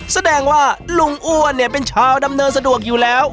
แสดงว่าลุงอ้วนเนี่ยเป็นชาวดำเนินสะดวกอยู่แล้ว